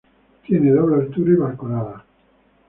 Tiene doble altura y balconada.